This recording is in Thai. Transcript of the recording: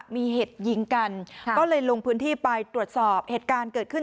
มีเหตุยิงกันก็เลยลงพื้นที่ไปตรวจสอบเหตุการณ์เกิดขึ้น